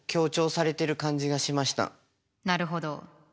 なるほど。